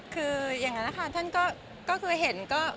คืออย่างนั้นนะคะท่านก็เห็นก็ตักเตือนจุดนั้นไปเท่านั้นเอง